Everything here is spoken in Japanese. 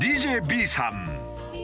ＤＪＢｅｅさん。